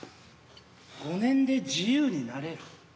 ５年で自由になれる。